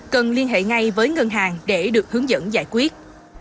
cần liên hệ ngay với ngân hàng để được hướng dẫn giải quyết